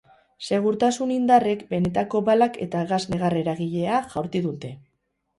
Segurtasun-indarrek benetazko balak eta gas negar-eragilea jaurti dute.